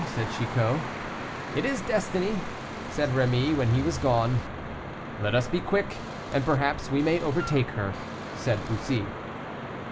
said Chicot. "It is destiny," said Rémy, when he was gone. "Let us be quick, and perhaps we may overtake her," said Bussy.